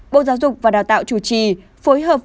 bộ giáo dục và đào tạo chủ trì phối hợp